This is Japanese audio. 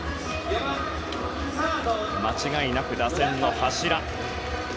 間違いなく打線の柱。